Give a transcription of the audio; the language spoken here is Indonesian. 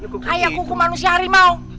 kayak kuku manusia harimau